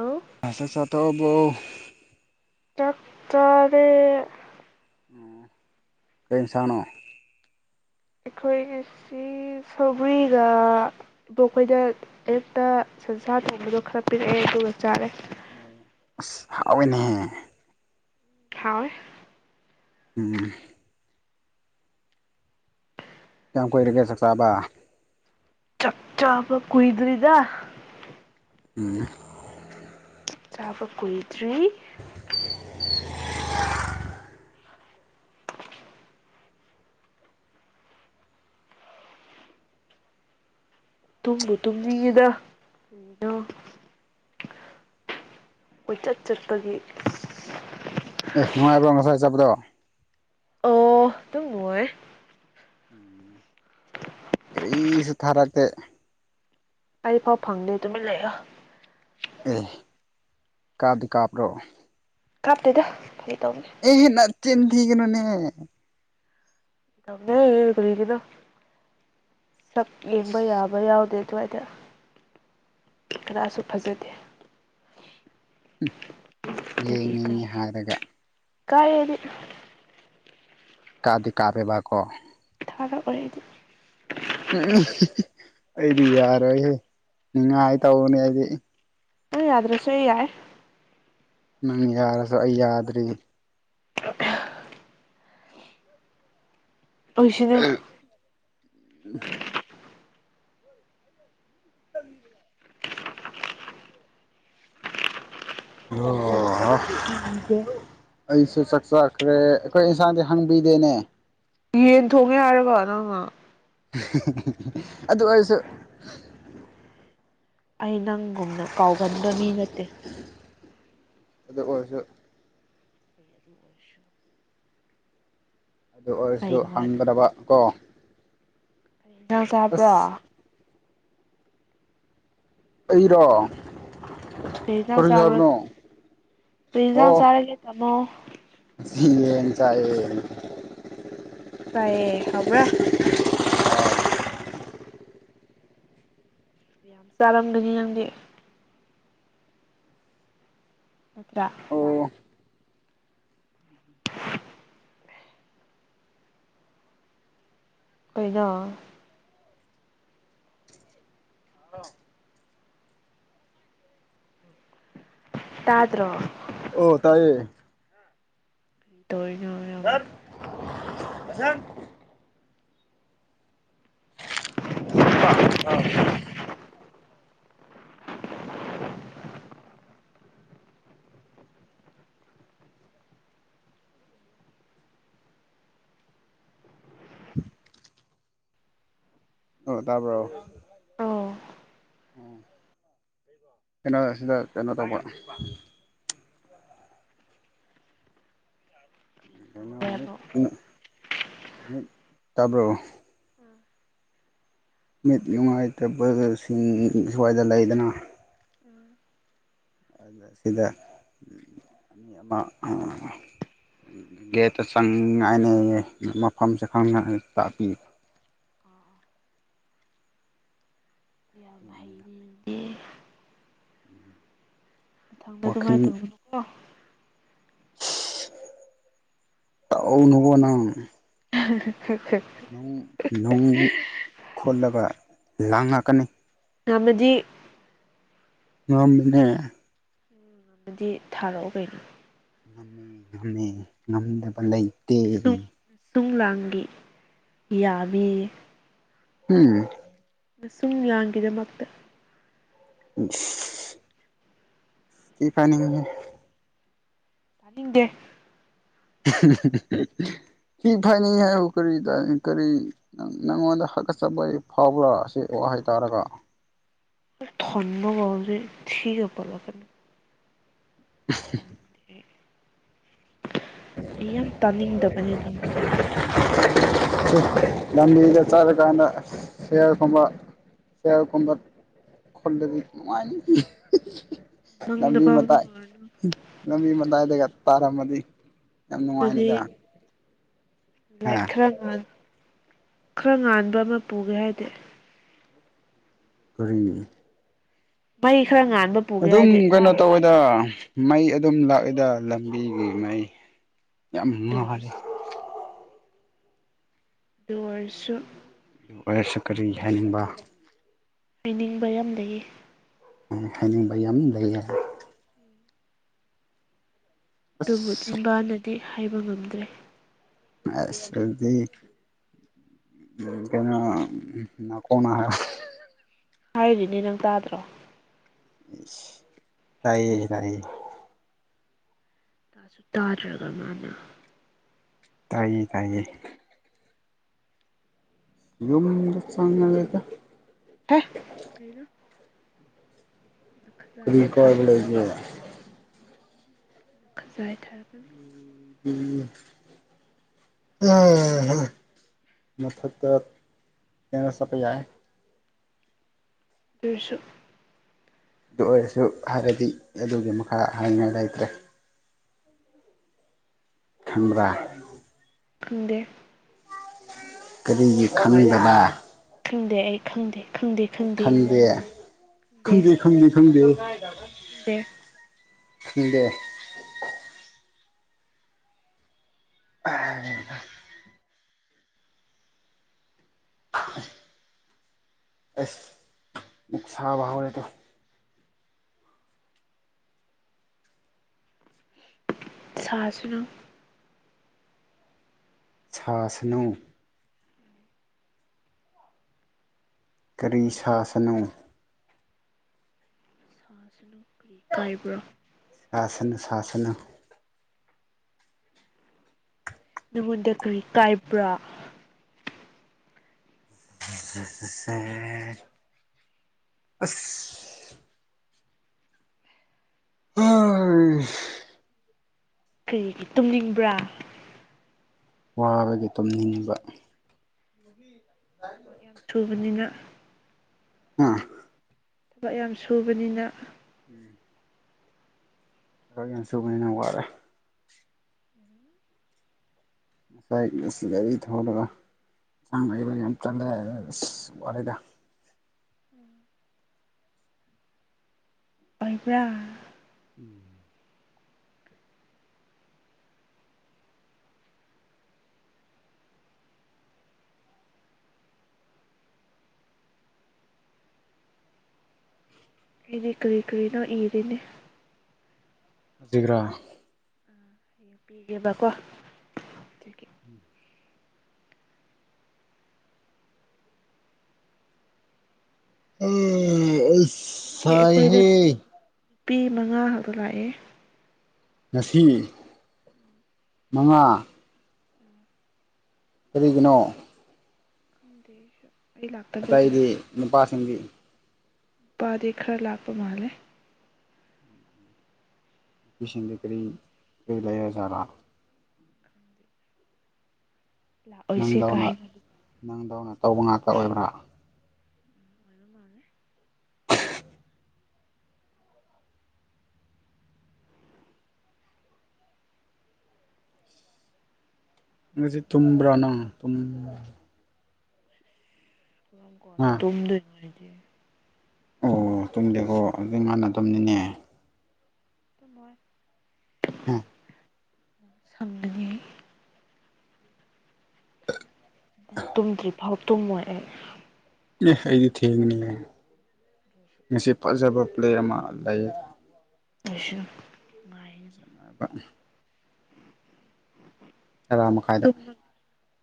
Hello ꯆꯥꯛ ꯆꯥ ꯇꯣꯛꯑꯕꯣ ꯆꯥꯛ ꯆꯥꯔꯦ꯫ ꯀꯔꯤ ꯏꯟꯁꯥꯡꯅꯣ꯫ ꯑꯩꯈꯣꯏ ꯉꯥ ꯁꯧꯒꯔ꯭ꯤꯒ ꯏꯕꯣꯛꯈꯣꯏꯗ ꯑꯌꯨꯛꯇ ꯁꯟꯁꯥ ꯊꯣꯡꯕꯗꯣ ꯈꯔ ꯄꯤꯔꯛꯑꯦ ꯑꯗꯨꯒ ꯆꯥꯔꯦ꯫ ꯑꯁ ꯍꯥꯎꯌꯦꯅꯦꯍꯦ꯫ ꯍꯥꯎꯏ꯫ ꯎꯝ꯫ ꯀꯌꯥꯝ ꯀꯨꯏꯔꯒꯦ ꯆꯥꯛ ꯆꯥꯕ꯫ ꯆꯛꯆꯥꯥꯄ ꯀꯨꯏꯗ꯭ꯔꯤꯗ꯫ ꯎꯝ꯫ ꯆꯥꯛ ꯆꯥꯕ ꯀꯨꯏꯗ꯭ꯔꯤ꯫ [unintelligible] [unintelligible] ꯇꯨꯝꯕꯨ ꯇꯨꯝꯅꯤꯡꯉꯤꯗ ꯀꯣꯏꯆꯠ ꯆꯠꯄꯒꯤ꯫ ꯑꯦ ꯅꯨꯡꯉꯥꯏꯕ꯭ꯔꯣ ꯉꯁꯥꯏ ꯆꯠꯄꯗꯣ꯫ ꯑꯣ ꯑꯗꯨꯝ ꯅꯨꯡꯉꯥꯏꯌꯦ꯫ ꯀꯔꯤꯁꯨ ꯊꯥꯔꯛꯇꯦ꯫ ꯑꯩꯐꯥꯎ ꯐꯪꯗꯦ ꯇꯨꯃꯤꯟ ꯂꯩꯌꯣ꯫ ꯑꯦ ꯀꯥꯞꯇꯤ ꯀꯥꯞꯄꯔꯣ꯫ ꯀꯥꯞꯇꯦꯗ꯫ ꯐꯥꯒꯤ ꯇꯧꯕꯅꯦ ꯑꯦꯍꯤ ꯅꯥꯠ꯫ ꯆꯤꯟ ꯊꯤꯒꯅꯨꯅꯦ꯫ [unintelligible] ꯀꯔꯤꯒꯤꯔ꯫ ꯁꯛ ꯌꯦꯡꯕ ꯌꯥꯕ ꯌꯥꯎꯗꯦ꯫ ꯑꯗꯨꯋꯥꯏꯗ ꯀꯅꯥꯁꯨ ꯐꯖꯗꯦ꯫ ꯑꯗꯨꯒꯤ ꯌꯦꯡꯅꯤꯡꯉꯤ ꯍꯥꯏꯔꯒ꯫ ꯏꯀꯥꯏꯌꯦ ꯑꯩꯗꯤ꯫ ꯀꯥꯗꯤ ꯀꯥꯔꯦꯕ ꯀꯣ꯫ [unintelligible] ꯑꯩꯗꯤ ꯌꯥꯔꯣꯏꯍꯦ꯫ ꯅꯤꯡꯉꯥꯏ ꯇꯧꯕꯅꯦ ꯑꯩꯗꯤ꯫ ꯅꯪꯅ ꯌꯥꯗ꯭ꯔꯁꯨ ꯑꯩꯅ ꯌꯥꯏ꯫ ꯅꯪ ꯌꯥꯔꯁꯨ ꯑꯩ ꯌꯥꯗ꯭ꯔꯤ꯫ [inaudible] [unintelligible] [inaudible] ꯑꯩ ꯅꯪ ꯑꯣ ꯀꯤꯗꯦ ꯑꯩꯁꯨ ꯆꯥꯛ ꯆꯥ ꯑꯩꯈꯣꯏ ꯏꯟꯁꯥꯡꯗꯤ ꯍꯪꯕꯤꯗꯦꯅꯦ ꯌꯦꯟ ꯊꯣꯡꯕ ꯊꯣꯡꯉꯦ ꯍꯥꯏꯔꯕ ꯅꯪꯅ꯫ ꯑ ꯗꯨ ꯑꯣꯏꯔꯁꯨ꯫ ꯑꯩ ꯅꯪꯒꯨꯝꯅ ꯀꯥꯎꯒꯟꯕ ꯃꯤ ꯅꯠꯇꯦ ꯑꯗꯨ ꯑꯣꯏꯔꯁꯨ ꯑꯗꯨ ꯑꯣꯏꯔꯁꯨ ꯑꯗꯨ ꯑꯣꯏꯔꯁꯨ ꯆꯩ ꯋꯥꯅꯤ ꯍꯪꯒꯗꯕ ꯀꯣ ꯉꯥ ꯆꯥꯕ꯭ꯔꯣ ꯑꯁ ꯑꯩꯔꯣ ꯀꯔꯤ ꯏꯪꯖꯥꯡ ꯆꯥꯕ꯭ꯔꯣ ꯇꯥꯃꯣ ꯀꯔꯤ ꯏꯪꯖꯥꯡ ꯑꯣ ꯆꯥꯔꯒꯦ ꯇꯥꯃꯣ ꯉꯁꯤ ꯌꯦꯟ ꯆꯥꯏꯌꯦ ꯍꯥꯎꯕ꯭ꯔꯥ ꯌꯥꯝ ꯆꯥꯔꯝꯒꯅꯤ ꯅꯪꯗꯤ ꯅꯠꯇ꯭ꯔ ꯑꯣ ꯑꯩꯈꯣꯏꯗ ꯇꯥꯗ꯭ꯔꯣ ꯑꯣ ꯇꯥꯏꯌꯦ ꯇꯧꯔꯤꯅꯣ ꯌꯥꯝ [unintelligible] ꯏꯌꯥꯝꯕ ꯑ [unintelligible] ꯑꯣ ꯇꯥꯕ꯭ꯔꯣ ꯑꯣ ꯎ ꯀꯅꯥꯅꯣ ꯁꯤꯅ ꯀꯩꯅꯣ ꯇꯧꯕ ꯇꯧꯔꯦ ꯑꯃꯨꯛ [unintelligible] ꯇꯥꯕ꯭ꯔꯣ ꯅꯦꯠ ꯅꯨꯡꯉꯥꯏꯇꯕꯁꯤꯡ ꯁ꯭ꯋꯥꯏꯗ ꯂꯩꯗꯅ ꯑꯁꯤꯗ ꯑ ꯃꯥ ꯒꯦꯠꯇ ꯆꯪꯉꯥꯏꯅ ꯃꯐꯝꯁꯦ ꯈꯪ ꯇꯥꯛꯄꯤ [unintelligible] ꯃꯊꯪꯗ ꯑꯗꯨꯃꯥꯏꯅ ꯇꯧꯒꯅꯨ ꯀꯣ ꯇꯧ ꯅꯨꯕꯣ ꯅꯪ [unintelligible] ꯅꯨꯡ ꯈꯨꯜꯂꯕ ꯂꯥꯡꯉꯛꯀꯅꯤ ꯔꯝꯃꯗꯤ ꯉꯝꯃꯤꯅꯦ ꯗꯗꯤ ꯊꯥꯔꯛꯑꯣ ꯀꯩꯩꯅꯣ ꯉꯝꯃꯦ ꯉꯝꯃꯦ ꯉꯝꯗꯕ ꯂꯩ ꯇꯦ ꯅꯁꯨꯡꯂꯥꯡꯒꯤ ꯌꯥꯕꯤ ꯎꯝ ꯅꯁꯨꯝꯂꯥꯡꯒꯤ ꯗꯃꯛꯇ ꯏꯁ ꯊꯤ ꯐꯥꯏꯅꯤꯡꯏ ꯇꯥꯅꯤꯡꯗꯦ ꯊꯤ ꯐꯥꯏꯅꯤꯡꯏ ꯍꯥꯏꯕꯨ ꯀꯔꯤ ꯀꯔꯤ ꯅꯪꯉꯣꯟꯗ ꯍꯛꯒꯠ ꯆꯠꯄ ꯐꯥꯎꯕ꯭ꯔꯥ ꯁꯤ ꯋꯥ ꯍꯥꯏ ꯇꯥꯔꯒ ꯄꯨꯛ ꯊꯟꯕꯒ ꯍꯧꯖꯤꯛ ꯊꯤ ꯄꯟꯂꯛꯀꯅꯨ ꯇ ꯑꯩ ꯌꯥꯝ ꯇꯥꯅꯤꯡꯗꯕꯅꯦ ꯑꯗꯨꯝꯕꯗꯣ ꯂꯝꯕꯤꯗ ꯆꯠꯂꯀꯥꯟꯗ ꯁꯤꯌꯥꯔꯒꯨꯝꯕ ꯁꯤꯌꯥꯔꯒꯨꯝꯕ ꯈꯨꯂꯗꯤ ꯅꯨꯡꯉꯥꯏꯅꯤ ꯃꯪꯗ ꯅꯝꯕꯤ ꯐꯥꯎ ꯃꯥꯏ ꯃꯪꯉꯨꯔꯅꯨ ꯅꯝꯕꯤ ꯃ ꯏꯗꯒ ꯇꯔꯃ ꯑꯗꯨ ꯌꯥꯝ ꯅꯨꯡꯉꯥꯏꯅꯦꯗ ꯂꯥꯛ ꯈꯔꯥ ꯑꯃ ꯈꯔ ꯉꯥꯟꯕ ꯑꯃ ꯄꯨꯒꯦ ꯍꯥꯏꯗꯤ ꯀꯔꯤ ꯃꯩ ꯈꯔ ꯉꯥꯟꯕ ꯄꯨꯒꯦ ꯑꯗꯨꯝ ꯍꯥꯏꯗꯤ ꯀꯩꯅꯣ ꯀꯥꯞ ꯇꯧꯋꯦꯗ ꯀꯥꯞꯄꯒꯣ ꯃꯩ ꯑꯗꯨꯝ ꯂꯥꯛꯏꯗ ꯂꯝꯕꯤꯒꯤ ꯃꯩ ꯌꯥꯝ ꯑꯗꯨ ꯃꯅꯍꯜꯂꯤ ꯑꯣꯏꯔꯁꯨ ꯑꯗꯨ ꯑꯣꯏꯔꯁꯨ ꯑꯗꯨ ꯑꯣꯏꯔꯁꯨ ꯀꯔꯤ ꯍꯥꯏꯅꯤꯡꯕ ꯍꯥꯏꯅꯤꯡꯕ ꯌꯥꯝ ꯂꯩꯌꯦ ꯑ ꯈꯥꯏ ꯌꯥꯝꯝ ꯂꯩꯔ ꯑꯗꯨꯕꯨ ꯆꯤꯟꯕꯅ ꯤ ꯍꯥꯏꯕ ꯉꯝꯗ꯭ꯔꯦ ꯁꯗꯤ ꯀꯩꯅꯣ ꯅꯅꯥ ꯀꯣꯅꯥ ꯍꯥꯏ ꯍꯥꯏꯔꯤꯅꯦ ꯅꯪ ꯇꯥꯗ꯭ꯔꯣ ꯑꯁ ꯇꯥꯏꯌꯦ ꯇꯥꯁꯨ ꯇꯥꯏꯌꯦ ꯇꯥꯁꯨ ꯇꯥꯗ꯭ꯔꯒ ꯃꯥꯅ ꯇꯥꯏꯌꯦ ꯇꯥꯏꯌꯦꯌꯦ ꯌꯨꯝꯗ ꯆꯥꯡꯅꯒ ꯍꯅ ꯀꯔꯤ ꯀꯔ ꯊꯥꯔꯛꯄꯅꯦ ꯂꯩꯒꯤ ꯂ ꯈꯖ ꯍꯥꯏ ꯊꯔꯒꯅꯤ ꯃ ꯊꯛꯇ ꯆ ꯁꯥꯄꯦꯥꯏ ꯆꯁꯨ ꯑꯗꯨ ꯑꯣꯏꯔꯁꯨ ꯍꯥꯏꯕꯗꯤ ꯑꯗꯨꯒꯤ ꯃꯈꯥ ꯍꯥꯏꯉꯥꯏ ꯂꯩꯇ꯭ꯔꯦ ꯊꯟꯕꯔ ꯗꯦ ꯀꯔꯤꯒꯤ ꯈꯉꯕꯗꯥ ꯈꯪꯗꯦ ꯑꯩ ꯈꯪꯗꯦ ꯈꯪꯗꯦ ꯈꯪꯗꯦ ꯈꯪꯗꯦ ꯈꯟꯗꯦ ꯈꯪꯗꯦ ꯈꯪꯗꯦ ꯈꯪꯗꯦ ꯗ ꯗꯦ ꯑꯦꯁ ꯃꯨꯛ ꯁꯥꯕꯍꯔꯦꯠꯇ ꯁꯖꯅ ꯁꯥꯥꯁꯅꯣ ꯀꯔꯤ ꯁꯥꯁꯅꯨ ꯁꯥꯁꯟꯅꯣ ꯐꯥꯁꯅ ꯀꯥꯏꯕ꯭ꯔꯣ ꯁꯥ ꯁꯅ ꯅꯪꯉꯣꯟꯗ ꯀꯔꯤ ꯀꯥꯏꯕ꯭ꯔꯥ ꯑꯁ ꯍ ꯀꯔꯤꯒꯤ ꯇꯨꯝꯅꯤꯡꯕ꯭ꯔꯥ ꯋꯥꯕꯒꯤ ꯇꯨꯝꯅꯤꯡꯉꯕ ꯑ ꯊꯕ ꯌꯥꯝ ꯊꯨꯕꯅꯤꯅ [unintelligible] ꯊꯕꯛ ꯌꯥꯝ ꯁꯨꯕꯅꯤꯅ ꯎꯝ ꯍ ꯌꯥꯝ ꯁꯨꯕꯅꯤ ꯌꯥꯝ ꯋꯥꯔꯦ ꯉꯁꯥꯏ ꯉꯁꯤ ꯒꯥꯔꯤ ꯊꯂꯒ ꯌꯦꯟꯁꯥꯡ ꯂꯩꯕ ꯌꯥꯝ ꯆꯜꯂꯦ ꯑ ꯋꯥꯔꯤꯗ ꯑꯣꯏꯕꯥ ꯎꯝ ꯏꯅꯤ ꯀꯔꯤ ꯀꯔꯤꯅ ꯏꯗꯅꯦ ꯖꯤꯒꯥ ꯍꯌꯦꯡ ꯄꯤꯒꯦꯕꯀꯣ ꯑꯗꯒꯤ ꯎꯝ ꯑ ꯑꯩꯈꯣꯏꯗ ꯁꯥꯏ ꯅꯨꯄꯤ ꯃꯉꯥ ꯍꯥꯏꯕ ꯂꯥꯛꯑꯦ ꯉꯁꯤ ꯃꯉꯥ ꯀꯔꯤꯒꯤꯅꯣ [inaudible] ꯂꯥꯛꯇꯕꯒꯤꯔ ꯑꯇꯩꯗꯤ ꯅꯨꯄꯥꯁꯤꯡꯒꯤ ꯎꯄꯥꯔꯤ ꯈꯔ ꯂꯥꯄ ꯃꯥꯂꯦ ꯁꯟꯗꯤ ꯀꯔꯤ ꯀꯂꯦꯖꯔꯥ ꯂꯥꯛꯑꯣꯏꯁꯦ ꯀꯥꯏꯅ ꯅ ꯇꯧꯕ ꯉꯥꯛꯇ ꯑꯣꯏꯕ꯭ꯔꯥ ꯑꯣꯏꯕ ꯃꯥꯜꯂꯦ ꯉꯁꯤ ꯇꯨꯝꯕ꯭ꯔꯥꯅꯨꯝ ꯄꯝ ꯀ ꯑꯗꯨ ꯑ ꯇꯨꯡꯨꯝꯗ ꯃꯔꯔꯤ ꯑꯣ ꯑꯣ ꯇꯨꯡꯗꯦꯀꯣ ꯑꯗꯨ ꯃꯥꯟꯅꯗꯕꯅꯤꯅꯦ ꯇ ꯃꯣꯏ ꯎꯝ ꯁꯝꯗꯅꯤ ꯇꯨꯝꯗ꯭ꯔꯤ ꯐꯥꯎ ꯇꯨꯝ ꯃꯣꯏ ꯑꯦ ꯑꯩꯗꯤ ꯊꯦꯡꯅꯤꯉꯦ ꯉꯁꯤ ꯐꯖꯕ ꯄ꯭ꯂꯦ ꯑꯃ ꯂꯩꯌꯦ ꯑꯁ ꯁꯉꯕ ꯑ ꯃꯈ ꯀꯥꯏꯗ ꯇꯨꯝꯃꯒꯦ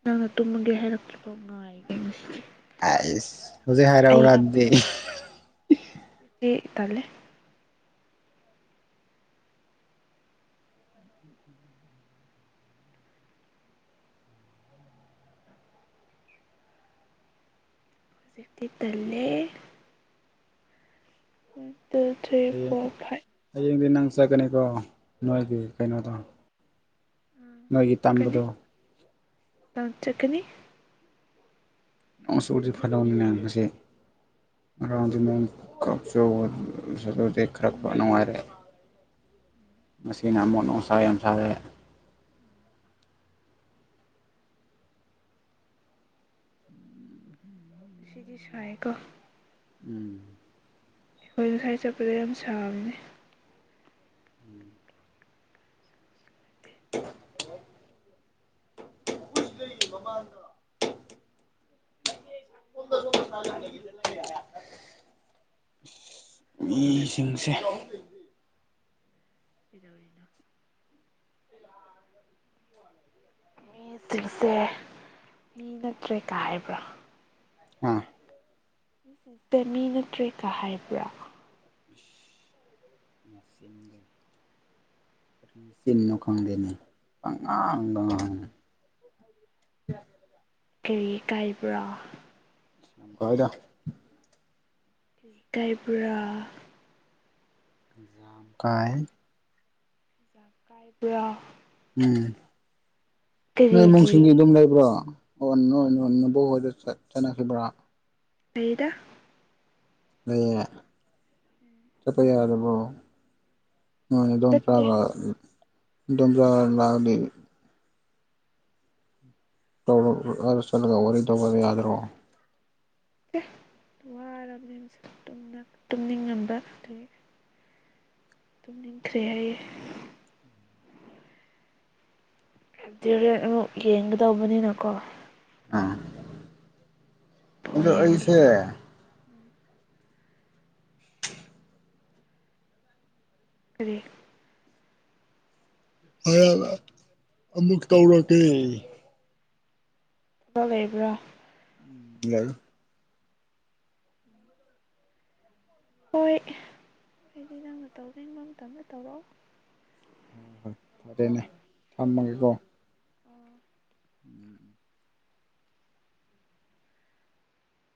ꯅꯪꯅ ꯇꯨꯝꯃꯒꯦ ꯍꯥꯏꯔꯛꯈꯤꯕ ꯉꯉꯥꯏꯕꯦ ꯃꯁꯤꯗꯤ ꯑꯁ ꯍꯧꯖꯤꯛ ꯍꯥꯏꯔ ꯑꯣ ꯔꯗꯤ ꯆꯦ ꯇꯂꯦ ꯍꯧꯖꯤꯞꯛꯇꯤ ꯇꯂꯦ ꯎꯝ ꯍꯌꯦꯡ ꯍꯌꯦꯡꯗꯤ ꯅꯪ ꯄꯁꯥ ꯀꯅꯤꯀꯣ ꯅꯣꯏꯒꯤ ꯀꯩꯅꯩꯅꯗ ꯃꯣꯏꯣꯏꯒꯤ ꯇꯥꯡꯗꯨꯗ ꯇ ꯆꯈꯅꯤ ꯉ ꯁꯗꯤ ꯐꯠꯍꯧ ꯃ ꯃꯌꯥꯝꯕꯁꯦ ꯑ ꯀꯩꯒꯤ ꯀꯛꯆꯨ ꯑꯗꯨꯗꯤ ꯈꯔ ꯈ ꯅꯨꯡꯉꯥꯏꯔꯦ ꯃꯁꯤꯅ ꯑꯃꯣꯠ ꯅꯨꯡꯁꯥ ꯌꯥꯝ ꯁꯥꯔꯦ ꯁꯤꯒꯤ ꯁꯑꯀꯣ ꯎꯝ ꯍꯣꯏ ꯉꯁꯥꯏ ꯆꯠꯄꯗ ꯌꯥꯝ ꯁꯥꯕꯅꯦ [inaudible] ꯄꯨꯁ ꯂꯩ [unintelligible] ꯃꯕꯥꯜꯗ ꯎꯁꯤꯡꯁꯦ ꯁꯤꯗ ꯑꯣꯏꯗ ꯑꯦꯁꯤꯡꯁꯦ ꯃꯤ ꯅꯠꯇ꯭ꯔꯦ ꯀ ꯍꯥꯏꯕ꯭ꯔꯥ ꯑ ꯛꯇ ꯃꯤ ꯅꯠꯇ꯭ꯔꯦ ꯀꯥ ꯍꯥꯏꯕ꯭ꯔꯥ ꯀꯔꯤ ꯁꯤꯟꯅꯣ ꯈꯪꯗꯦꯅꯦ ꯑꯉꯥꯡꯕꯪꯉꯤ ꯀꯔꯤ ꯀꯥꯏꯕ꯭ꯔꯣ ꯀ ꯑꯣꯏꯗ ꯀꯥꯏ ꯄꯨꯔꯥ ꯖꯝ ꯀꯥꯏ ꯀꯥꯏ ꯄ ꯎꯝ ꯅꯣꯏ ꯀꯔꯤꯒꯤ ꯅꯨꯡꯁꯤꯡꯒꯤ ꯑꯗꯨꯝ ꯂꯩꯕ꯭ꯔꯣ ꯑꯣ ꯅꯣꯏ ꯅꯕ ꯆꯠ ꯆꯅꯁꯤꯈꯤꯕ꯭ꯔꯥ ꯑꯩꯩꯗ ꯂꯩ ꯆꯠꯄ ꯌꯥꯗꯕꯣ ꯅꯅꯦ ꯗꯣꯟ ꯆꯠꯇꯦ ꯇ꯭ꯔꯥꯕ ꯗꯨꯝ꯭ꯔꯥ ꯂꯎꯅꯤ ꯆꯂꯒ ꯑꯣꯏ ꯇꯧꯕ ꯌꯥꯗꯔꯣ ꯋꯥꯔꯕꯅꯦꯅ ꯇꯨꯝꯅꯤꯡꯉꯝꯕ ꯑꯗꯨꯒꯤ ꯑꯗꯨꯝ ꯅꯤꯡꯈ꯭ꯔꯦ ꯍꯥꯏꯌꯦꯦ ꯔꯦꯟ ꯑꯃꯨꯛ ꯌꯦꯡꯒꯗꯧꯕꯅꯤꯅꯀꯣ ꯑꯥ ꯕꯣꯜ ꯑꯗꯣ ꯑꯩꯁꯦ ꯌꯦꯡꯒꯗꯕ ꯑꯗ ꯑꯃꯨꯛ ꯇꯧꯔꯒꯦ ꯂꯩꯕ꯭ꯔꯥ ꯎꯝ ꯌꯥꯏ ꯍꯣꯏ ꯍꯥꯏꯗꯤ ꯅꯪꯅ ꯇꯧꯅꯤꯡꯕ ꯃꯇꯝꯗ ꯇꯧꯔꯛꯑꯣ ꯍꯣꯏ ꯍꯣꯏ ꯐꯔꯦꯅꯦ ꯊꯝꯃꯒꯦꯀꯣ ꯎꯝ